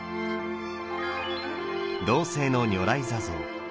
銅製の如来坐像。